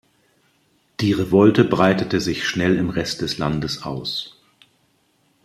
Die Revolte breitete sich schnell im Rest des Landes aus.